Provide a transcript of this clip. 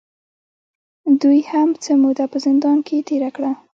دوې هم څۀ موده پۀ زندان کښې تېره کړه